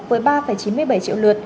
với ba chín mươi bảy triệu lượt